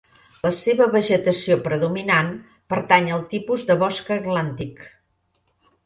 La seva vegetació predominant pertany al tipus de Bosc Atlàntic.